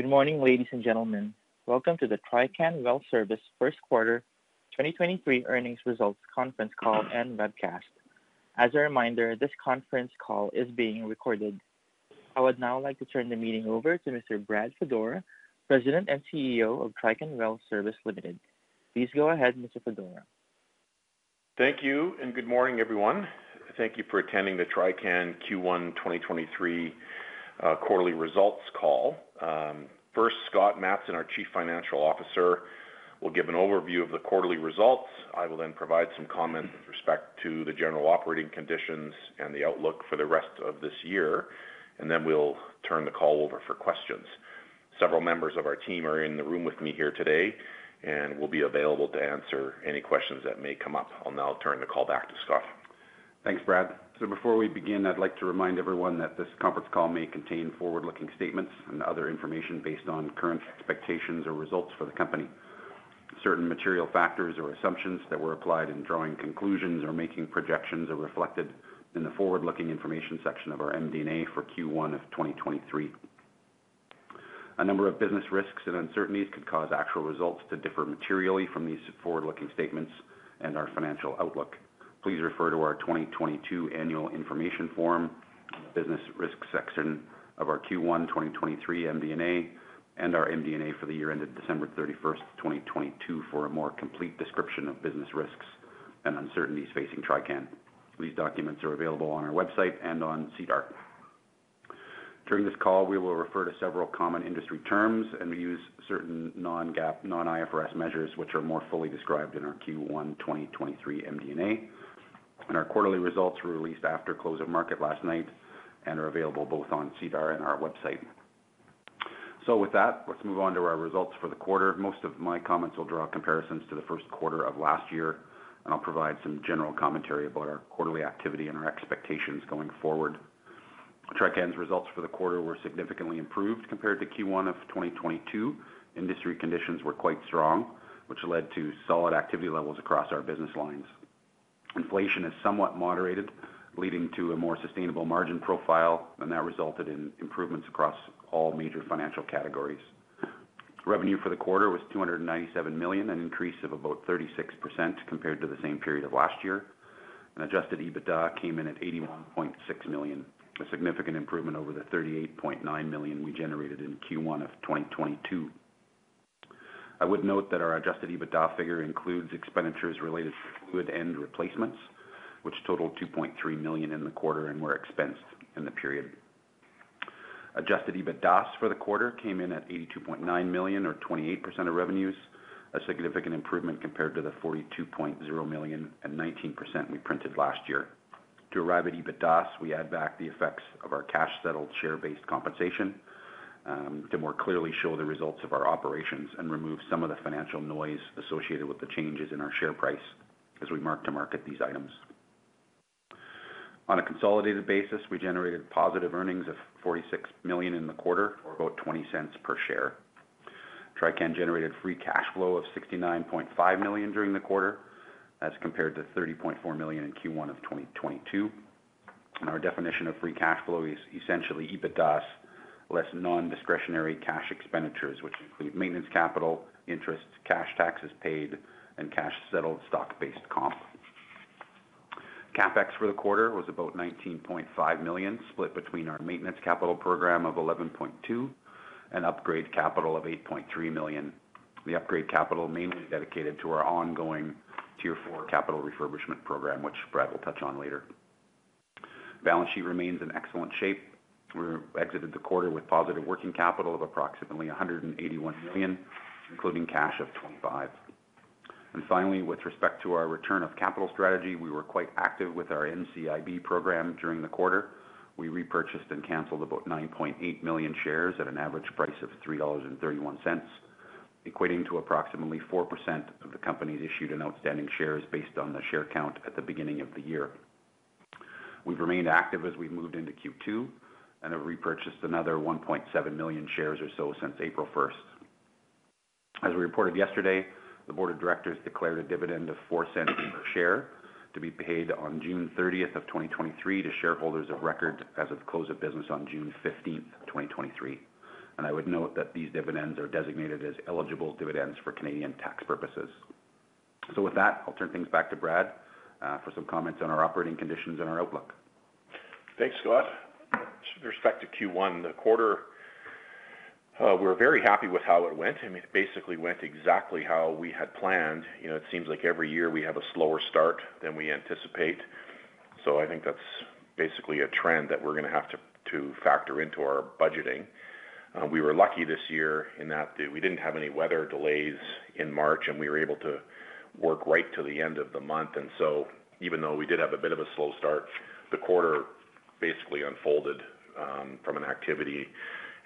Good morning, ladies and gentlemen. Welcome to the Trican Well Service first quarter 2023 earnings results conference call and webcast. As a reminder, this conference call is being recorded. I would now like to turn the meeting over to Mr. Brad Fedora, President and CEO of Trican Well Service Limited. Please go ahead, Mr. Fedora. Thank you. Good morning, everyone. Thank you for attending the Trican Q1 2023 quarterly results call. First, Scott Matson, our Chief Financial Officer, will give an overview of the quarterly results. I will then provide some comments with respect to the general operating conditions and the outlook for the rest of this year. We'll turn the call over for questions. Several members of our team are in the room with me here today and will be available to answer any questions that may come up. I'll now turn the call back to Scott. Thanks, Brad. Before we begin, I'd like to remind everyone that this conference call may contain forward-looking statements and other information based on current expectations or results for the company. Certain material factors or assumptions that were applied in drawing conclusions or making projections are reflected in the forward-looking information section of our MD&A for Q1 of 2023. A number of business risks and uncertainties could cause actual results to differ materially from these forward-looking statements and our financial outlook. Please refer to our 2022 annual information form, business risk section of our Q1 2023 MD&A, and our MD&A for the year ended December 31st, 2022 for a more complete description of business risks and uncertainties facing Trican. These documents are available on our website and on Sedar. During this call, we will refer to several common industry terms and use certain non-GAAP, non-IFRS measures, which are more fully described in our Q1 2023 MD&A. Our quarterly results were released after close of market last night and are available both on Sedar and our website. With that, let's move on to our results for the quarter. Most of my comments will draw comparisons to the first quarter of last year, and I'll provide some general commentary about our quarterly activity and our expectations going forward. Trican's results for the quarter were significantly improved compared to Q1 2022. Industry conditions were quite strong, which led to solid activity levels across our business lines. Inflation has somewhat moderated, leading to a more sustainable margin profile, and that resulted in improvements across all major financial categories. Revenue for the quarter was 297 million, an increase of about 36% compared to the same period of last year. Adjusted EBITDA came in at 81.6 million, a significant improvement over the 38.9 million we generated in Q1 of 2022. I would note that our Adjusted EBITDA figure includes expenditures related to fluid end replacements, which totaled 2.3 million in the quarter and were expensed in the period. Adjusted EBITDAS for the quarter came in at 82.9 million or 28% of revenues, a significant improvement compared to the 42.0 million and 19% we printed last year. To arrive at EBITDAS, we add back the effects of our cash settled share-based compensation, to more clearly show the results of our operations and remove some of the financial noise associated with the changes in our share price as we mark to market these items. On a consolidated basis, we generated positive earnings of 46 million in the quarter or about 0.20 per share. Trican generated free cash flow of 69.5 million during the quarter, as compared to 30.4 million in Q1 of 2022. Our definition of free cash flow is essentially EBITDAS less non-discretionary cash expenditures, which include maintenance capital, interest, cash taxes paid, and cash settled stock-based comp. CapEx for the quarter was about 19.5 million, split between our maintenance capital program of 11.2 million and upgrade capital of 8.3 million. The upgrade capital mainly dedicated to our ongoing Tier 4 capital refurbishment program, which Brad will touch on later. Balance sheet remains in excellent shape. We exited the quarter with positive working capital of approximately 181 million, including cash of 25 million. Finally, with respect to our return of capital strategy, we were quite active with our NCIB program during the quarter. We repurchased and canceled about 9.8 million shares at an average price of 3.31 dollars, equating to approximately 4% of the company's issued an outstanding shares based on the share count at the beginning of the year. We've remained active as we've moved into Q2 and have repurchased another 1.7 million shares or so since April 1st. As we reported yesterday, the Board of Directors declared a dividend of 0.04 per share to be paid on June 30th, 2023 to shareholders of record as of close of business on June 15th, 2023. I would note that these dividends are designated as eligible dividends for Canadian tax purposes. With that, I'll turn things back to Brad for some comments on our operating conditions and our outlook. Thanks, Scott. With respect to Q1, the quarter, we're very happy with how it went. I mean, it basically went exactly how we had planned. You know, it seems like every year we have a slower start than we anticipate. I think that's basically a trend that we're gonna have to factor into our budgeting. We were lucky this year in that we didn't have any weather delays in March, and we were able to work right till the end of the month. Even though we did have a bit of a slow start, the quarter basically unfolded from an activity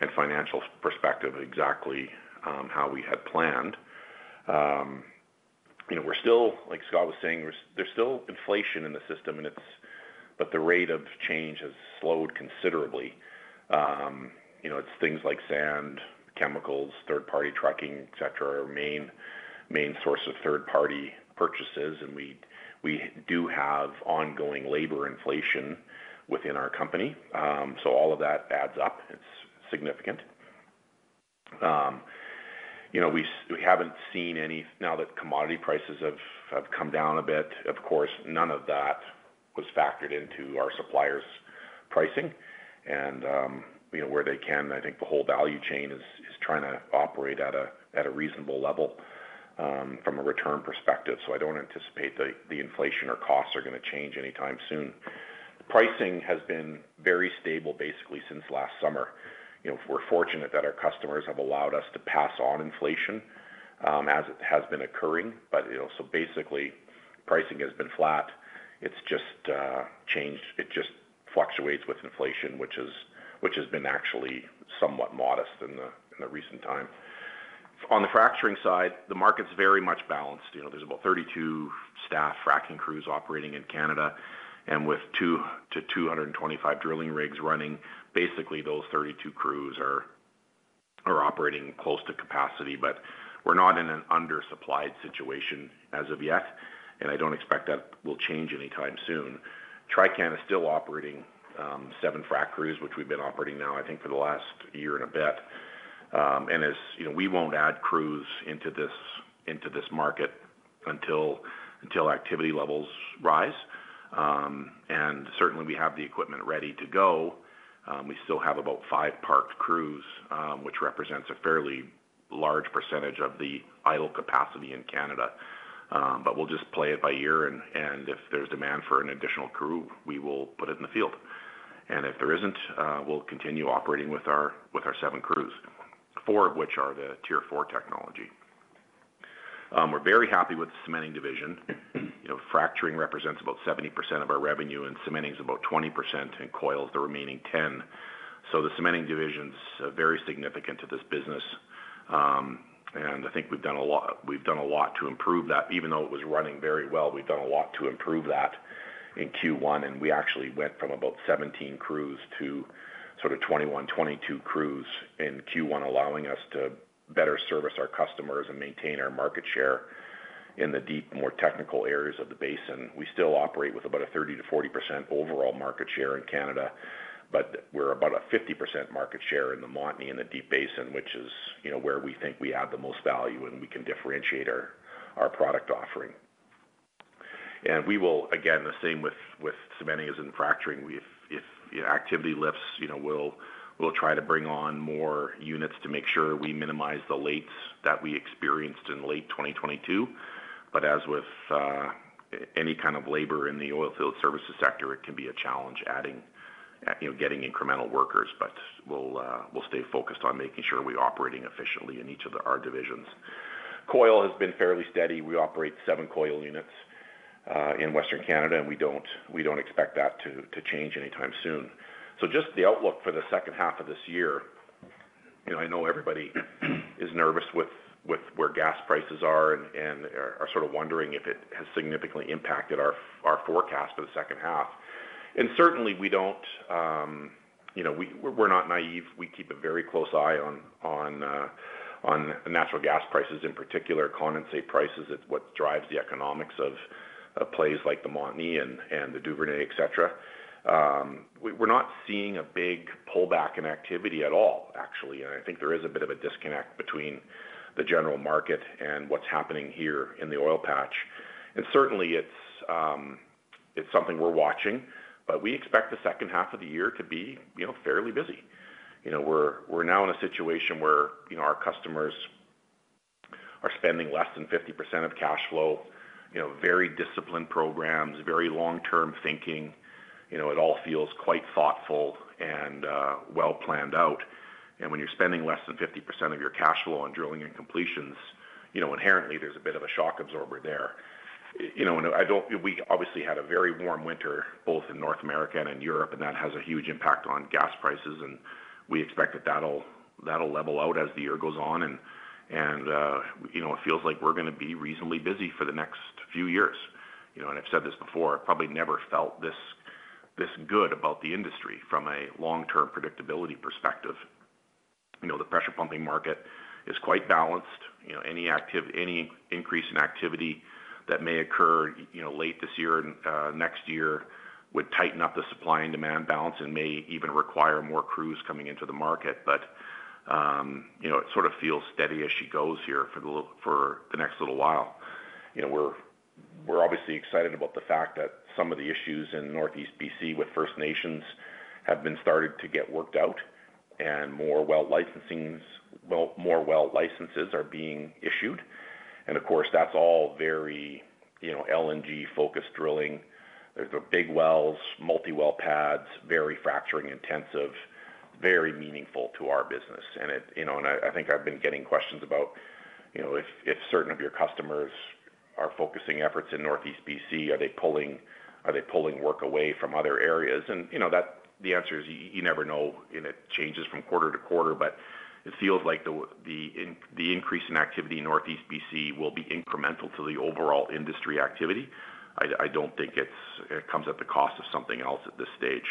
and financial perspective exactly how we had planned. You know, we're still, like Scott was saying, there's still inflation in the system and but the rate of change has slowed considerably. You know, it's things like sand, chemicals. Third party trucking, et cetera, are our main source of third party purchases. We do have ongoing labor inflation within our company. All of that adds up. It's significant. You know, we haven't seen any now that commodity prices have come down a bit, of course, none of that was factored into our suppliers' pricing. You know, where they can, I think the whole value chain is trying to operate at a reasonable level from a return perspective. I don't anticipate the inflation or costs are gonna change anytime soon. Pricing has been very stable, basically, since last summer. You know, we're fortunate that our customers have allowed us to pass on inflation as it has been occurring. You know, so basically, pricing has been flat. It's just changed. It just fluctuates with inflation, which has been actually somewhat modest in the recent time. On the fracturing side, the market's very much balanced. You know, there's about 32 staff fracking crews operating in Canada. With two to 225 drilling rigs running, basically those 32 crews are operating close to capacity. We're not in an undersupplied situation as of yet, and I don't expect that will change anytime soon. Trican is still operating seven frac crews, which we've been operating now, I think, for the last year and a bit. You know, we won't add crews into this market until activity levels rise. Certainly we have the equipment ready to go. We still have about five parked crews, which represents a fairly large percentage of the idle capacity in Canada. We'll just play it by ear and if there's demand for an additional crew, we will put it in the field. If there isn't, we'll continue operating with our seven crews, four of which are the Tier 4 technology. We're very happy with the cementing division. You know, fracturing represents about 70% of our revenue, and cementing is about 20%, and coil is the remaining 10%. The cementing division's very significant to this business. I think we've done a lot to improve that. Even though it was running very well, we've done a lot to improve that in Q1, and we actually went from about 17 crews to sort of 21, 22 crews in Q1, allowing us to better service our customers and maintain our market share in the deep, more technical areas of the basin. We still operate with about a 30%-40% overall market share in Canada, but we're about a 50% market share in the Montney in the deep basin, which is, you know, where we think we add the most value, and we can differentiate our product offering. We will. Again, the same with cementing as in fracturing. If activity lifts, you know, we'll try to bring on more units to make sure we minimize the lates that we experienced in late 2022. As with any kind of labor in the oilfield services sector, it can be a challenge, you know, getting incremental workers. We'll stay focused on making sure we're operating efficiently in each of our divisions. Coil has been fairly steady. We operate seven coil units in Western Canada, and we don't expect that to change anytime soon. Just the outlook for the second half of this year, you know, I know everybody is nervous with where gas prices are and are sort of wondering if it has significantly impacted our forecast for the second half. Certainly we don't, you know. We're not naive. We keep a very close eye on natural gas prices, in particular condensate prices. It's what drives the economics of plays like the Montney and the Duvernay, et cetera. we're not seeing a big pullback in activity at all, actually. I think there is a bit of a disconnect between the general market and what's happening here in the oil patch. Certainly it's something we're watching. We expect the second half of the year to be, you know, fairly busy. You know, we're now in a situation where, you know, our customers are spending less than 50% of cash flow, you know, very disciplined programs, very long-term thinking. You know, it all feels quite thoughtful and well planned out. When you're spending less than 50% of your cash flow on drilling and completions, you know, inherently there's a bit of a shock absorber there. You know, I don't we obviously had a very warm winter, both in North America and in Europe, and that has a huge impact on gas prices. We expect that that'll level out as the year goes on, and, you know, it feels like we're gonna be reasonably busy for the next few years. You know, I've said this before, I probably never felt this good about the industry from a long-term predictability perspective. You know, the pressure pumping market is quite balanced. You know, any increase in activity that may occur, you know, late this year and next year would tighten up the supply and demand balance and may even require more crews coming into the market. You know, it sort of feels steady as she goes here for the next little while. You know, we're obviously excited about the fact that some of the issues in Northeast BC with First Nations have been started to get worked out and more well licenses are being issued. Of course, that's all very, you know, LNG-focused drilling. There's big wells, multi-well pads, very fracturing intensive, very meaningful to our business. You know, I think I've been getting questions about, you know, if certain of your customers are focusing efforts in Northeast BC, are they pulling work away from other areas? You know, the answer is you never know and it changes from quarter to quarter. It feels like the increase in activity in Northeast BC will be incremental to the overall industry activity. I don't think it comes at the cost of something else at this stage.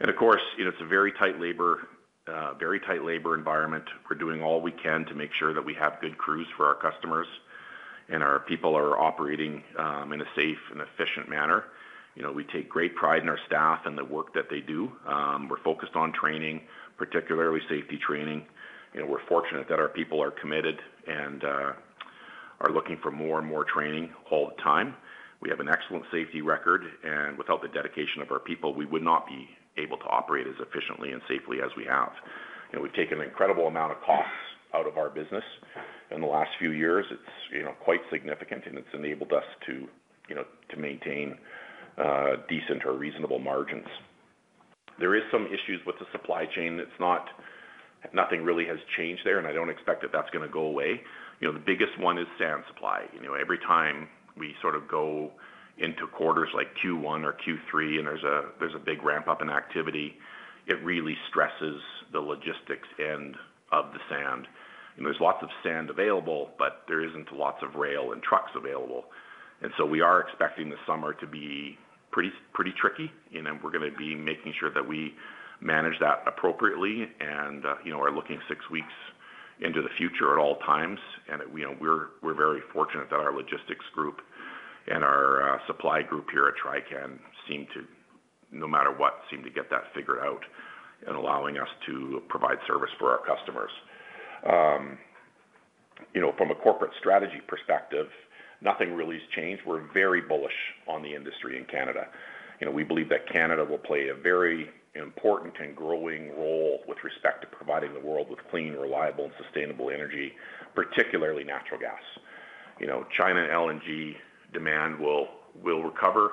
Of course, it's a very tight labor, very tight labor environment. We're doing all we can to make sure that we have good crews for our customers and our people are operating in a safe and efficient manner. You know, we take great pride in our staff and the work that they do. We're focused on training, particularly safety training. You know, we're fortunate that our people are committed and are looking for more and more training all the time. We have an excellent safety record. Without the dedication of our people, we would not be able to operate as efficiently and safely as we have. You know, we've taken an incredible amount of costs out of our business in the last few years. It's, you know, quite significant, and it's enabled us to, you know, to maintain decent or reasonable margins. There is some issues with the supply chain. Nothing really has changed there, and I don't expect that that's gonna go away. You know, the biggest one is sand supply. You know, every time we sort of go into quarters like Q1 or Q3, and there's a big ramp up in activity, it really stresses the logistics end of the sand. There's lots of sand available, but there isn't lots of rail and trucks available. We are expecting the summer to be pretty tricky, and then we're gonna be making sure that we manage that appropriately and, you know, are looking six weeks into the future at all times. You know, we're very fortunate that our logistics group and our supply group here at Trican seem to, no matter what, seem to get that figured out in allowing us to provide service for our customers. You know, from a corporate strategy perspective, nothing really has changed. We're very bullish on the industry in Canada. You know, we believe that Canada will play a very important and growing role with respect to providing the world with clean, reliable, and sustainable energy, particularly natural gas. You know, China LNG demand will recover.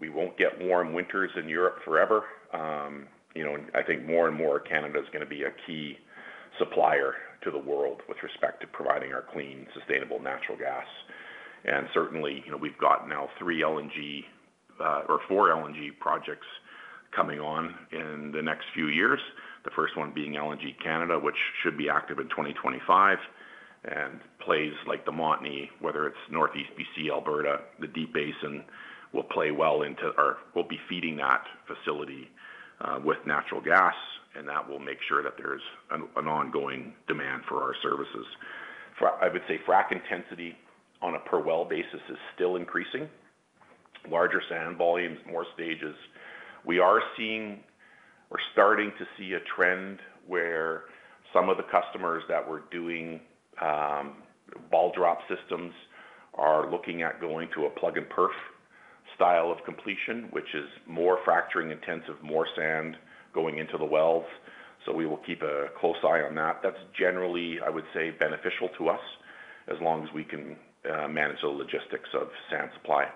We won't get warm winters in Europe forever. You know, I think more and more Canada is gonna be a key supplier to the world with respect to providing our clean, sustainable natural gas. Certainly, you know, we've got now three LNG or four LNG projects coming on in the next few years, the first one being LNG Canada, which should be active in 2025. Plays like the Montney, whether it's Northeast BC, Alberta, the Deep Basin, will play well into or will be feeding that facility with natural gas, and that will make sure that there's an ongoing demand for our services. I would say frac intensity on a per well basis is still increasing. Larger sand volumes, more stages. We're starting to see a trend where some of the customers that were doing ball-drop systems are looking at going to a plug-and-perf style of completion, which is more fracturing intensive, more sand going into the wells. We will keep a close eye on that. That's generally, I would say, beneficial to us as long as we can manage the logistics of sand supply.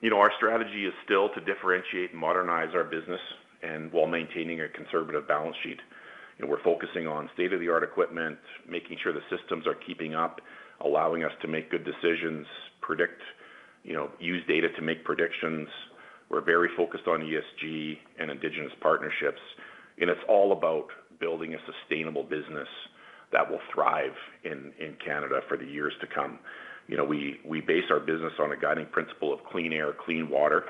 You know, our strategy is still to differentiate and modernize our business while maintaining a conservative balance sheet. We're focusing on state-of-the-art equipment, making sure the systems are keeping up, allowing us to make good decisions, predict, you know, use data to make predictions. We're very focused on ESG and indigenous partnerships, and it's all about building a sustainable business that will thrive in Canada for the years to come. You know, we base our business on a guiding principle of clean air, clean water.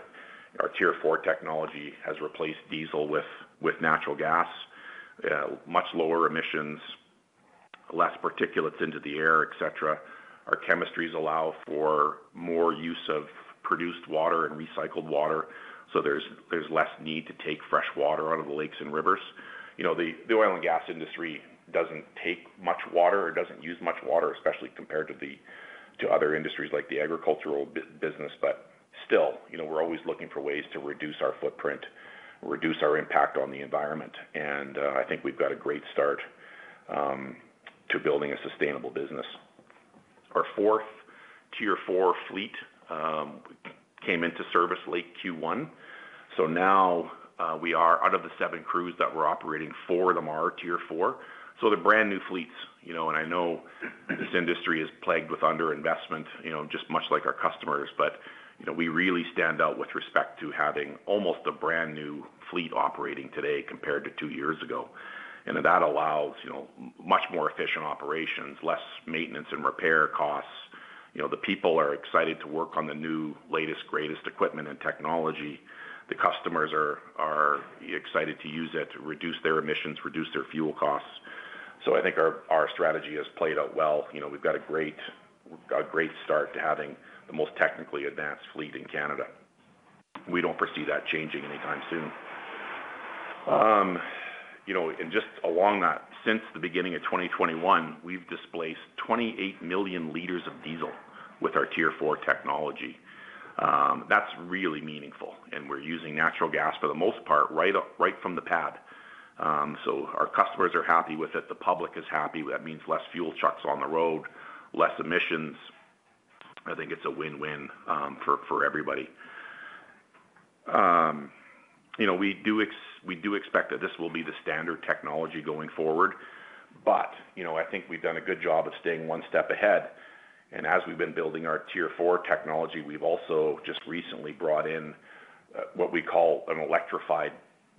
Our Tier 4 technology has replaced diesel with natural gas, much lower emissions, less particulates into the air, et cetera. Our chemistries allow for more use of produced water and recycled water, so there's less need to take fresh water out of the lakes and rivers. You know, the oil and gas industry doesn't take much water or doesn't use much water, especially compared to other industries like the agricultural business. Still, you know, we're always looking for ways to reduce our footprint, reduce our impact on the environment, and I think we've got a great start to building a sustainable business. Our fourth Tier 4 fleet came into service late Q1. Now, we are out of the seven crews that we're operating, four of them are Tier 4. They're brand new fleets, you know, I know this industry is plagued with underinvestment, you know, just much like our customers. You know, we really stand out with respect to having almost a brand new fleet operating today compared to two years ago. That allows, you know, much more efficient operations, less maintenance and repair costs. You know, the people are excited to work on the new latest, greatest equipment and technology. The customers are excited to use it to reduce their emissions, reduce their fuel costs. I think our strategy has played out well. You know, we've got a great, a great start to having the most technically advanced fleet in Canada. We don't foresee that changing anytime soon. You know, and just along that, since the beginning of 2021, we've displaced 28 million l of diesel with our Tier 4 technology. That's really meaningful, and we're using natural gas for the most part, right from the pad. Our customers are happy with it. The public is happy. That means less fuel trucks on the road, less emissions. I think it's a win-win for everybody. You know, we do expect that this will be the standard technology going forward. You know, I think we've done a good job of staying one step ahead. As we've been building our Tier 4 technology, we've also just recently brought in what we call an electrified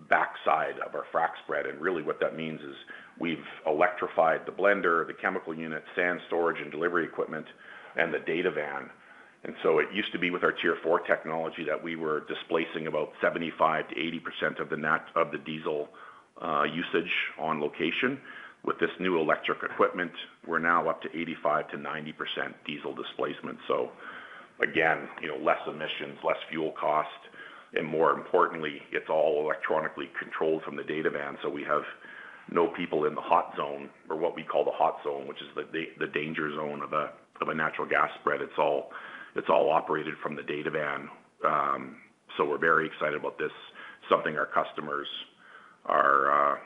backside of our frac spread, and really what that means is we've electrified the blender, the chemical unit, sand storage and delivery equipment, and the data van. It used to be with our Tier 4 technology that we were displacing about 75%-80% of the diesel usage on location. With this new electric equipment, we're now up to 85%-90% diesel displacement. Again, you know, less emissions, less fuel cost, and more importantly, it's all electronically controlled from the data van, so we have no people in the hot zone, or what we call the hot zone, which is the danger zone of a natural gas spread. It's all operated from the data van. We're very excited about this, something our customers are,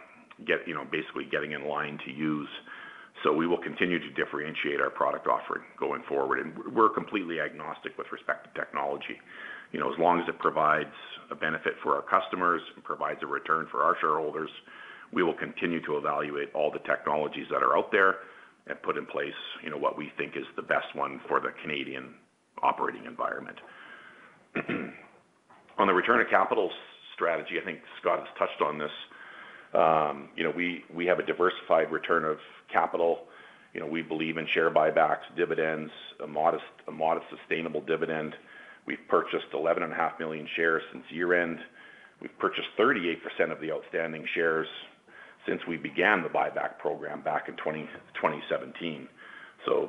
you know, basically getting in line to use. We will continue to differentiate our product offering going forward, and we're completely agnostic with respect to technology. You know, as long as it provides a benefit for our customers and provides a return for our shareholders, we will continue to evaluate all the technologies that are out there and put in place, you know, what we think is the best one for the Canadian operating environment. On the return of capital strategy, I think Scott has touched on this. You know, we have a diversified return of capital. You know, we believe in share buybacks, dividends, a modest sustainable dividend. We've purchased 11.5 million shares since year-end. We've purchased 38% of the outstanding shares since we began the buyback program back in 2017.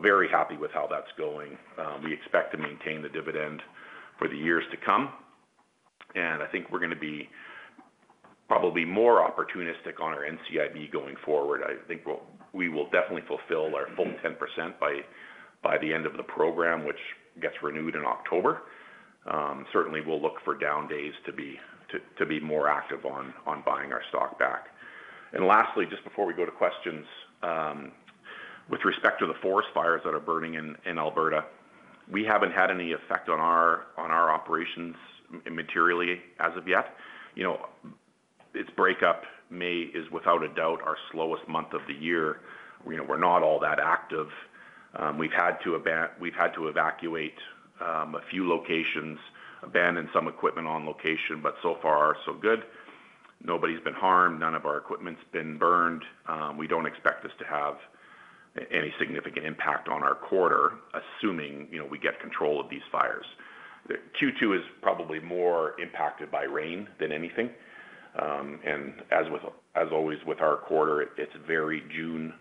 Very happy with how that's going. We expect to maintain the dividend for the years to come, and I think we're gonna be probably more opportunistic on our NCIB going forward. I think we will definitely fulfill our full 10% by the end of the program, which gets renewed in October. Certainly we'll look for down days to be more active on buying our stock back. Lastly, just before we go to questions, with respect to the forest fires that are burning in Alberta, we haven't had any effect on our operations immaterially as of yet. You know, its breakup is without a doubt our slowest month of the year. You know, we're not all that active. We've had to evacuate a few locations, abandon some equipment on location, but so far so good. Nobody's been harmed. None of our equipment's been burned. We don't expect this to have any significant impact on our quarter, assuming, you know, we get control of these fires. Q2 is probably more impacted by rain than anything. As always with our quarter, it's very June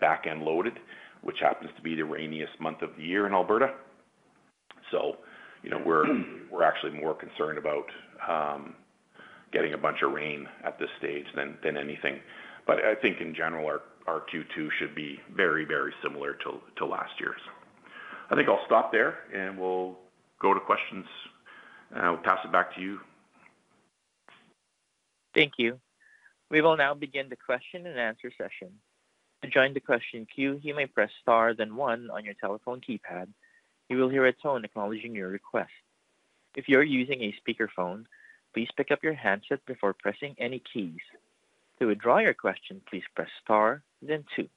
back-end loaded, which happens to be the rainiest month of the year in Alberta. You know, we're actually more concerned about getting a bunch of rain at this stage than anything. I think in general, our Q2 should be very, very similar to last year's. I think I'll stop there, and we'll go to questions. I'll pass it back to you. Thank you. We will now begin the question-and-answer session. To join the question queue, you may press star then one on your telephone keypad. You will hear a tone acknowledging your request. If you are using a speakerphone, please pick up your handset before pressing any keys. To withdraw your question, please press star then two.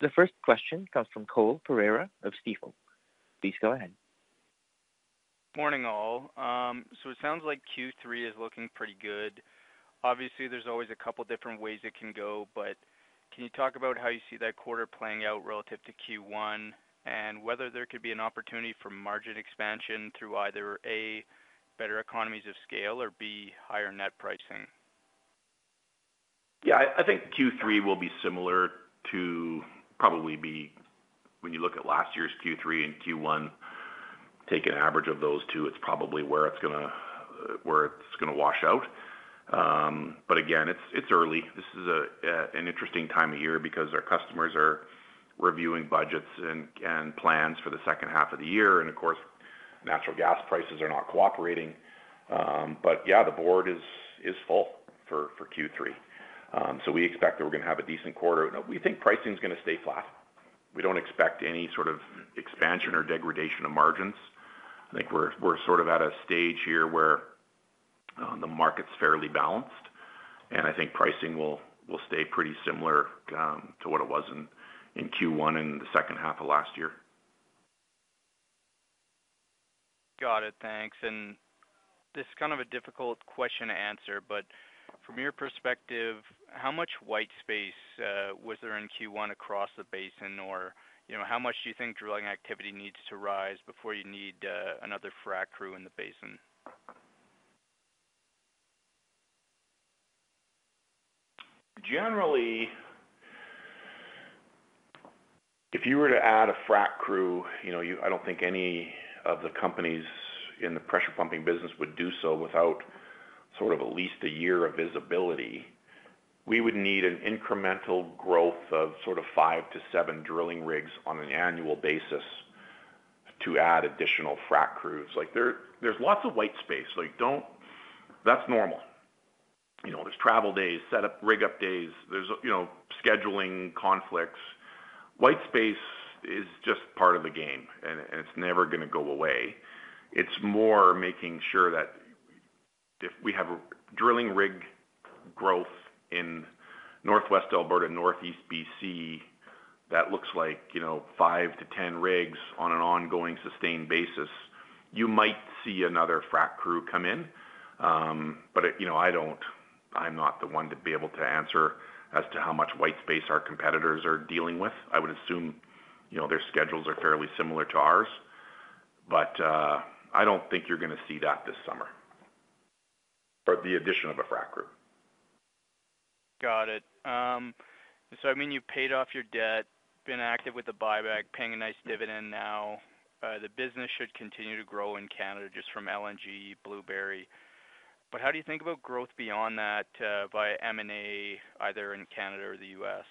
The first question comes from Cole Pereira of Stifel. Please go ahead. Morning, all. It sounds like Q3 is looking pretty good. Obviously, there's always a couple different ways it can go, but can you talk about how you see that quarter playing out relative to Q1, and whether there could be an opportunity for margin expansion through either, A, better economies of scale or, B, higher net pricing? Yeah. I think Q3 will be similar to probably be. When you look at last year's Q3 and Q1, take an average of those two, it's probably where it's gonna wash out. Again, it's early. This is an interesting time of year because our customers are reviewing budgets and plans for the second half of the year. Of course, natural gas prices are not cooperating. Yeah, the board is full for Q3. We expect that we're gonna have a decent quarter. We think pricing's gonna stay flat. We don't expect any sort of expansion or degradation of margins. I think we're sort of at a stage here where, the market's fairly balanced, and I think pricing will stay pretty similar, to what it was in Q1 in the second half of last year. Got it. Thanks. This is kind of a difficult question to answer, but from your perspective, how much white space was there in Q1 across the basin? You know, how much do you think drilling activity needs to rise before you need another frac crew in the basin? Generally, if you were to add a frac crew, you know, I don't think any of the companies in the pressure pumping business would do so without sort of at least a year of visibility. We would need an incremental growth of sort of five to seven drilling rigs on an annual basis to add additional frac crews. Like, there's lots of white space. That's normal. You know, there's travel days, set up, rig up days. There's, you know, scheduling conflicts. White space is just part of the game, and it's never gonna go away. It's more making sure that if we have a drilling rig growth in Northwest Alberta, Northeast BC that looks like, you know, five to 10 rigs on an ongoing sustained basis, you might see another frac crew come in. You know, I'm not the one to be able to answer as to how much white space our competitors are dealing with. I would assume, you know, their schedules are fairly similar to ours. I don't think you're gonna see that this summer. The addition of a frac crew. Got it. I mean, you've paid off your debt, been active with the buyback, paying a nice dividend now. The business should continue to grow in Canada just from LNG, Blueberry. How do you think about growth beyond that, via M&A, either in Canada or the U.S.?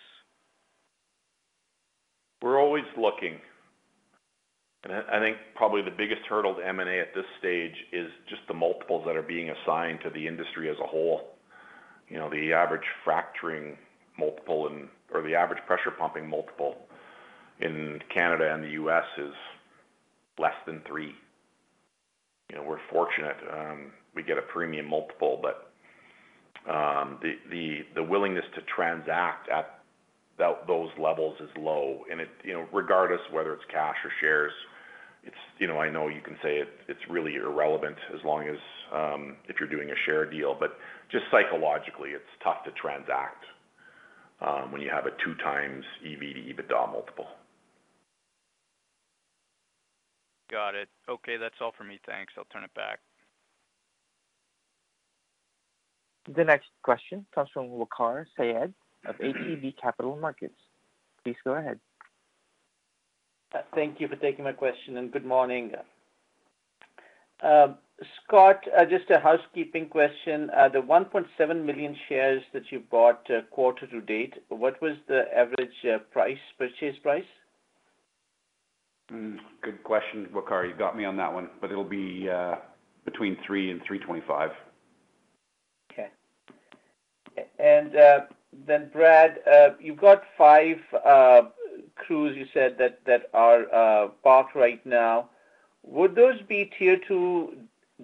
We're always looking. I think probably the biggest hurdle to M&A at this stage is just the multiples that are being assigned to the industry as a whole. You know, the average fracturing multiple or the average pressure pumping multiple in Canada and the U.S. is less than three. You know, we're fortunate, we get a premium multiple, but the willingness to transact at those levels is low. You know, regardless whether it's cash or shares, You know, I know you can say it's really irrelevant as long as if you're doing a share deal. Just psychologically, it's tough to transact when you have a 2x EV to EBITDA multiple. Got it. Okay, that's all for me. Thanks. I'll turn it back. The next question comes from Waqar Syed of ATB Capital Markets. Please go ahead. Thank you for taking my question, and good morning. Scott, just a housekeeping question. The 1.7 million shares that you bought, quarter to date, what was the average price, purchase price? Good question, Waqar. You got me on that one, but it'll be between 3 and 3.25. Okay. Brad, you've got five crews you said that are parked right now. Would those be Tier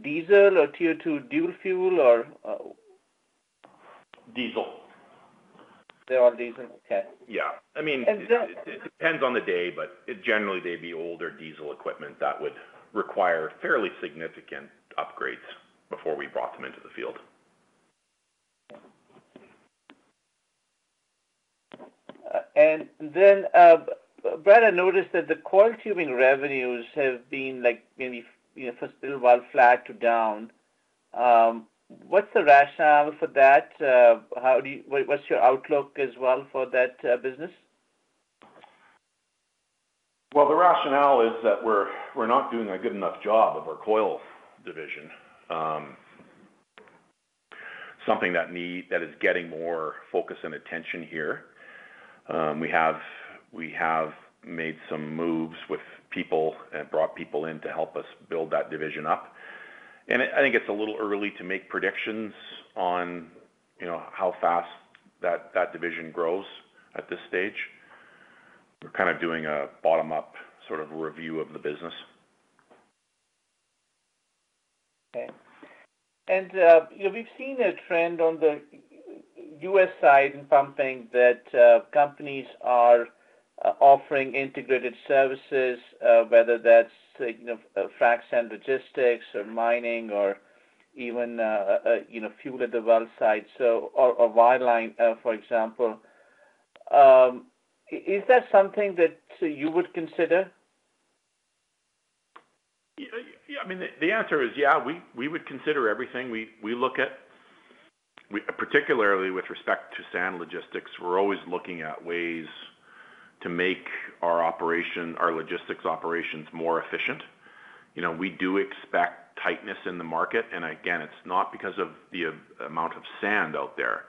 2 diesel or Tier 2 dual fuel or? Diesel. They're all diesel? Okay. Yeah. And the- It depends on the day, but generally, they'd be older diesel equipment that would require fairly significant upgrades before we brought them into the field. Brad, I noticed that the coiled tubing revenues have been, like, maybe, you know, for a little while, flat to down. What's the rationale for that? What's your outlook as well for that business? Well, the rationale is that we're not doing a good enough job of our coil division. Something that is getting more focus and attention here. We have made some moves with people and brought people in to help us build that division up. I think it's a little early to make predictions on, you know, how fast that division grows at this stage. We're kind of doing a bottom-up sort of review of the business. Okay. You know, we've seen a trend on the U.S. side in pumping that companies are offering integrated services, whether that's, you know, fracs and logistics or mining or even, you know, fuel at the well site. Or, or wireline, for example. Is that something that you would consider? Yeah, I mean, the answer is yeah. We would consider everything. Particularly with respect to sand logistics, we're always looking at ways to make our operation, our logistics operations more efficient. You know, we do expect tightness in the market. Again, it's not because of the amount of sand out there.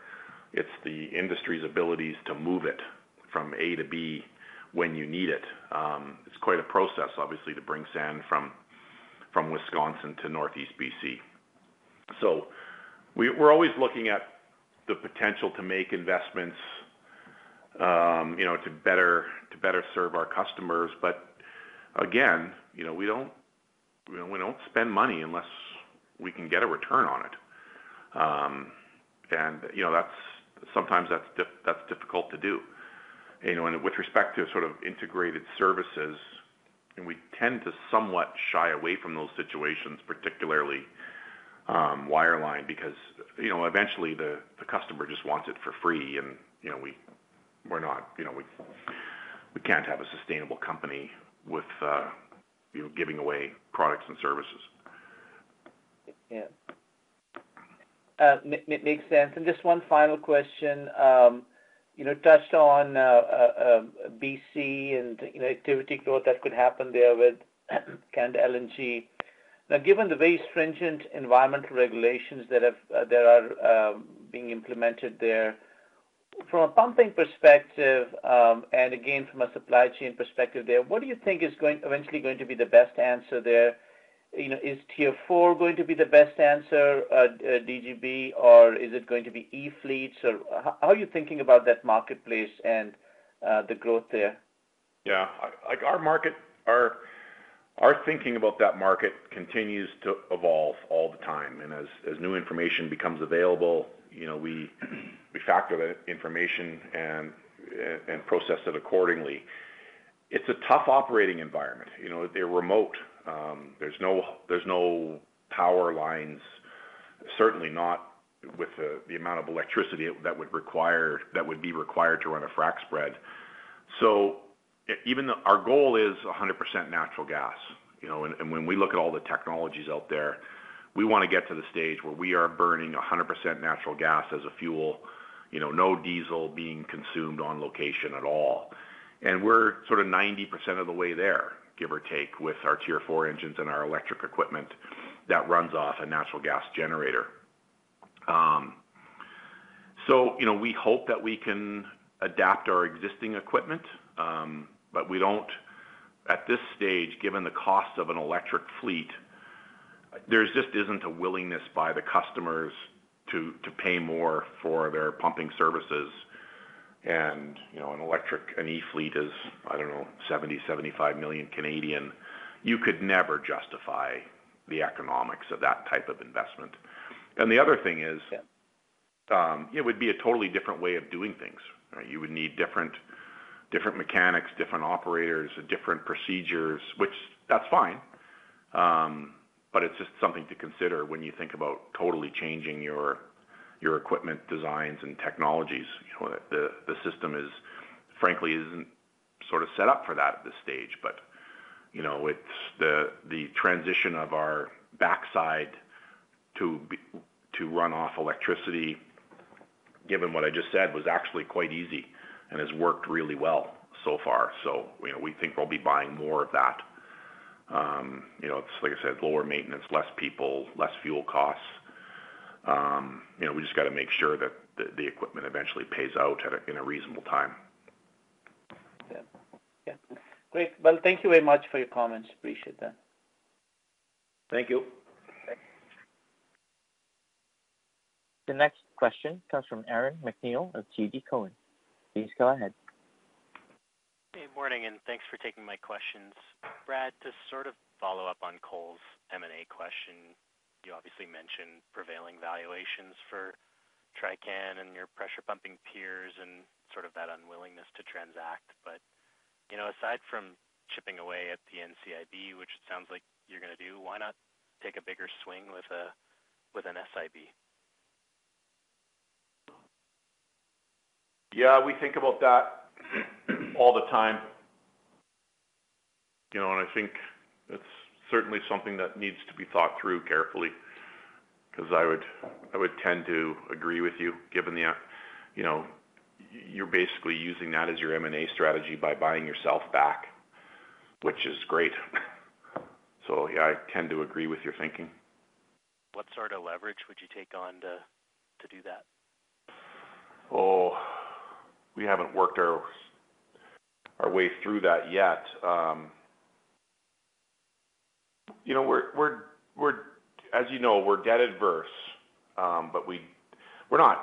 It's the industry's abilities to move it from A to B when you need it. It's quite a process, obviously, to bring sand from Wisconsin to Northeast BC. We're always looking at the potential to make investments, you know, to better serve our customers. Again, you know, we don't, you know, spend money unless we can get a return on it. You know, sometimes that's difficult to do. You know, with respect to sort of integrated services, we tend to somewhat shy away from those situations, particularly, wireline, because, you know, eventually the customer just wants it for free. You know, we're not. You know, we can't have a sustainable company with, you know, giving away products and services. Yeah. makes sense. Just one final question. You know, touched on B C and, you know, activity growth that could happen there with LNG Canada. Given the very stringent environmental regulations that are being implemented there, from a pumping perspective, and again, from a supply chain perspective there, what do you think is eventually going to be the best answer there? You know, is Tier 4 going to be the best answer at DGB, or is it going to be e-fleets? How are you thinking about that marketplace and the growth there? Yeah. Like our market, our thinking about that market continues to evolve all the time. As new information becomes available, you know we factor that information and process it accordingly. It's a tough operating environment. You know, they're remote. There's no power lines, certainly not with the amount of electricity that would be required to run a frac spread. Our goal is 100% natural gas, you know. When we look at all the technologies out there, we wanna get to the stage where we are burning 100% natural gas as a fuel, you know, no diesel being consumed on location at all. We're sort of 90% of the way there, give or take, with our Tier 4 engines and our electric equipment that runs off a natural gas generator. You know, we hope that we can adapt our existing equipment, but at this stage, given the cost of an electric fleet, there just isn't a willingness by the customers to pay more for their pumping services. You know, an e-fleet is, I don't know, 70 million-75 million. You could never justify the economics of that type of investment. The other thing is, it would be a totally different way of doing things, right? You would need different mechanics, different operators, different procedures. Which that's fine, but it's just something to consider when you think about totally changing your equipment designs and technologies. You know, the system is, frankly, isn't sort of set up for that at this stage. You know, it's the transition of our backside to run off electricity, given what I just said, was actually quite easy and has worked really well so far. You know, we think we'll be buying more of that. You know, it's like I said, lower maintenance, less people, less fuel costs. You know, we just gotta make sure that the equipment eventually pays out in a reasonable time. Yeah. Yeah. Great. Well, thank you very much for your comments. Appreciate that. Thank you. Thanks. The next question comes from Aaron MacNeil of TD Cowen. Please go ahead. Good morning, and thanks for taking my questions. Brad, to sort of follow up on Cole's M&A question, you obviously mentioned prevailing valuations for Trican and your pressure pumping peers and sort of that unwillingness to transact. You know, aside from chipping away at the NCIB, which it sounds like you're gonna do, why not take a bigger swing with a, with an SIB? Yeah, we think about that all the time. You know, I think it's certainly something that needs to be thought through carefully, because I would tend to agree with you. You know, you're basically using that as your M&A strategy by buying yourself back, which is great. Yeah, I tend to agree with your thinking. What sort of leverage would you take on to do that? Oh, we haven't worked our way through that yet. You know, we're As you know, we're debt adverse, We're not,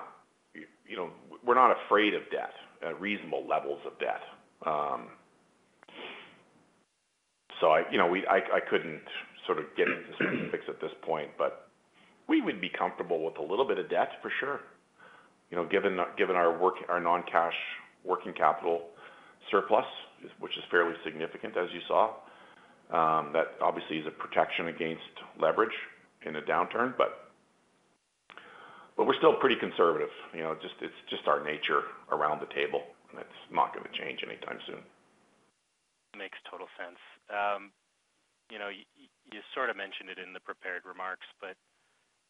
you know, we're not afraid of debt, reasonable levels of debt. I, you know, I couldn't sort of get into specifics at this point, but we would be comfortable with a little bit of debt, for sure. You know, given our non-cash working capital surplus, which is fairly significant, as you saw, that obviously is a protection against leverage in a downturn. We're still pretty conservative, you know. It's just our nature around the table, and it's not gonna change anytime soon. Makes total sense. You know, you sort of mentioned it in the prepared remarks,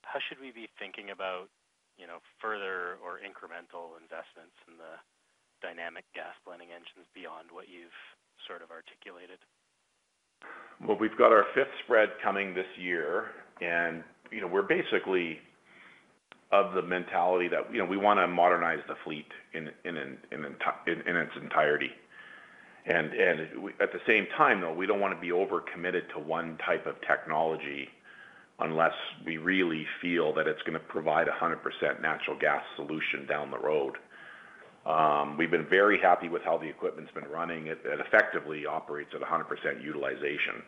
how should we be thinking about, you know, further or incremental investments in the Dynamic Gas Blending engines beyond what you've sort of articulated? Well, we've got our fifth spread coming this year, and, you know, we're basically of the mentality that, you know, we wanna modernize the fleet in its entirety. At the same time, though, we don't wanna be over-committed to one type of technology unless we really feel that it's gonna provide a 100% natural gas solution down the road. We've been very happy with how the equipment's been running. It effectively operates at 100% utilization.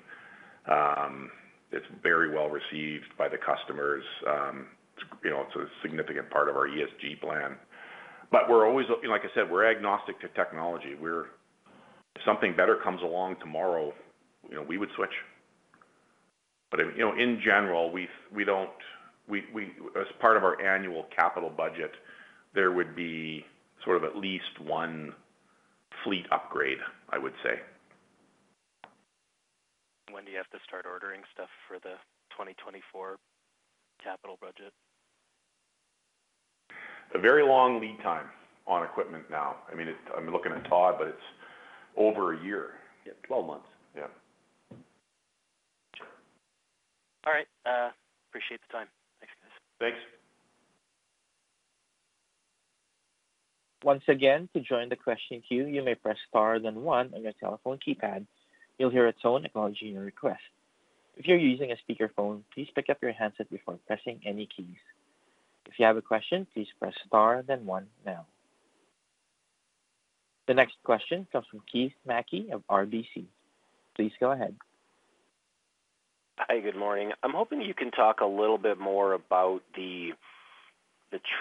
It's very well received by the customers. You know, it's a significant part of our ESG plan. Like I said, we're agnostic to technology. If something better comes along tomorrow, you know, we would switch. You know, in general, we don't. We, as part of our annual capital budget, there would be sort of at least one fleet upgrade, I would say. When do you have to start ordering stuff for the 2024 capital budget? A very long lead time on equipment now. I mean, I'm looking at Todd, but it's over a year. Yeah, 12 months. Yeah. Sure. All right. appreciate the time. Thanks, guys. Thanks. Once again, to join the question queue, you may press star then one on your telephone keypad. You'll hear a tone acknowledging your request. If you're using a speakerphone, please pick up your handset before pressing any keys. If you have a question, please press star then one now. The next question comes from Keith Mackey of RBC. Please go ahead. Hi, good morning. I'm hoping you can talk a little bit more about the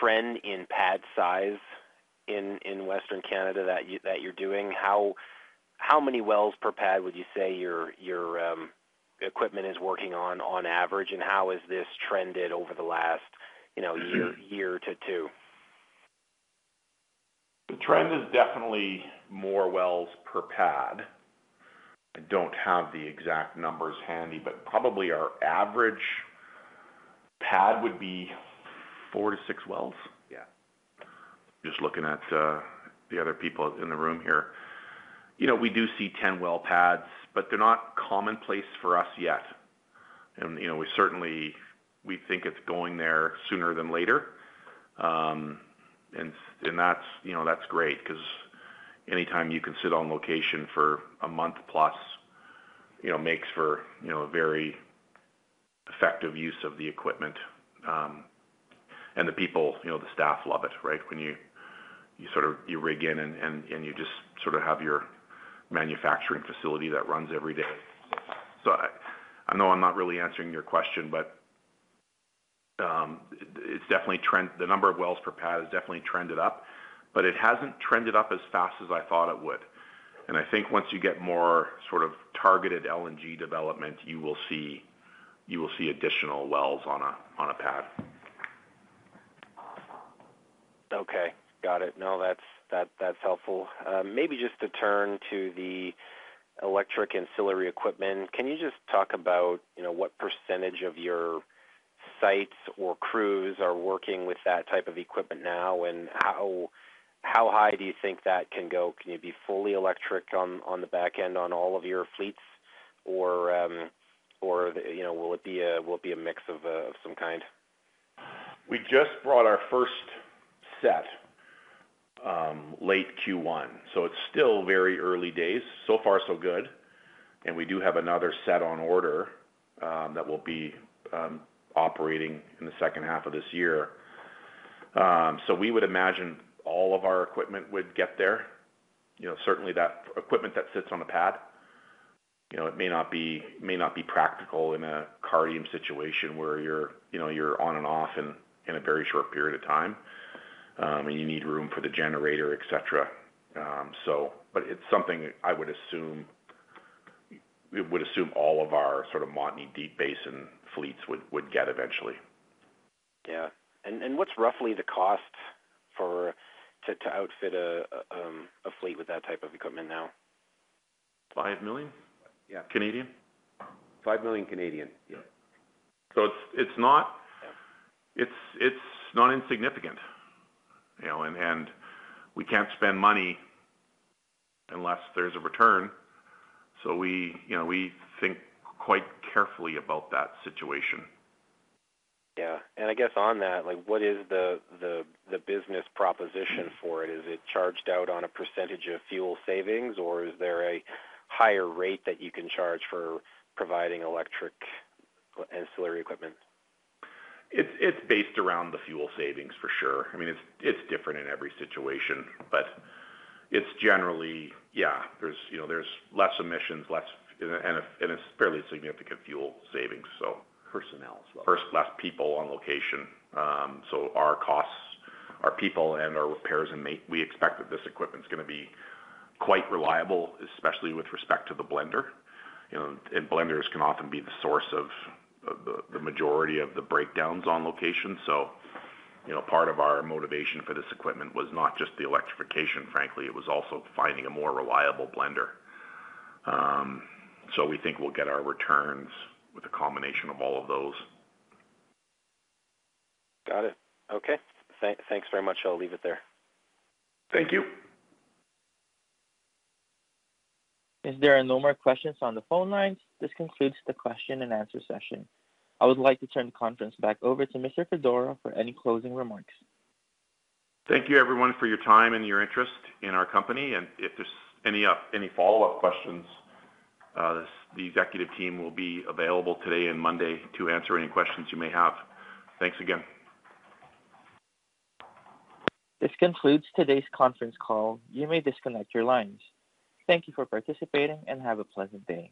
trend in pad size in Western Canada that you're doing. How many wells per pad would you say your equipment is working on on average, and how has this trended over the last, you know, year to two? The trend is definitely more wells per pad. I don't have the exact numbers handy, but probably our average pad would be four to six wells. Yeah. Just looking at the other people in the room here. You know, we do see 10-well pads, but they're not commonplace for us yet. You know, we think it's going there sooner than later. That's, you know, that's great because anytime you can sit on location for a month plus, you know, makes for, you know, a very effective use of the equipment. The people, you know, the staff love it, right? When you sort of rig in and you just sort of have your manufacturing facility that runs every day. I know I'm not really answering your question, but the number of wells per pad has definitely trended up, but it hasn't trended up as fast as I thought it would. I think once you get more sort of targeted LNG development, you will see additional wells on a pad. Okay. Got it. No, that's, that's helpful. Maybe just to turn to the electric ancillary equipment. Can you just talk about, you know, what percentage of your sites or crews are working with that type of equipment now, and how high do you think that can go? Can you be fully electric on the back end on all of your fleets or, you know, will it be a, will it be a mix of some kind? We just brought our first set, late Q1, so it's still very early days. So far so good. We do have another set on order, that will be operating in the second half of this year. We would imagine all of our equipment would get there. You know, certainly that equipment that sits on the pad. You know, it may not be, it may not be practical in a Cardium situation where you're, you know, you're on and off in a very short period of time, and you need room for the generator, et cetera. It's something we would assume all of our sort of Montney Deep Basin fleets would get eventually. Yeah. What's roughly the cost to outfit a fleet with that type of equipment now? 5 million. Yeah. Canadian. 5 million? Yeah. It's not insignificant, you know, and we can't spend money unless there's a return. We, you know, we think quite carefully about that situation. Yeah. I guess on that, like, what is the business proposition for it? Is it charged out on a percentage of fuel savings, or is there a higher rate that you can charge for providing electric ancillary equipment? It's based around the fuel savings for sure. I mean, it's different in every situation, but it's generally. Yeah, there's, you know, there's less emissions and a fairly significant fuel savings, so. Personnel as well. First, less people on location. Our costs, our people and our repairs and We expect that this equipment's gonna be quite reliable, especially with respect to the blender. You know, blenders can often be the source of the majority of the breakdowns on location. You know, part of our motivation for this equipment was not just the electrification, frankly, it was also finding a more reliable blender. We think we'll get our returns with a combination of all of those. Got it. Okay. Thanks very much. I'll leave it there. Thank you. If there are no more questions on the phone lines, this concludes the question and answer session. I would like to turn the conference back over to Mr. Fedora for any closing remarks. Thank you everyone for your time and your interest in our company. If there's any follow-up questions, the executive team will be available today and Monday to answer any questions you may have. Thanks again. This concludes today's conference call. You may disconnect your lines. Thank you for participating, and have a pleasant day.